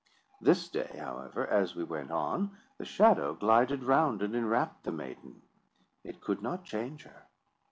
This day, however, as we went on, the shadow glided round and inwrapt the maiden. It could not change her.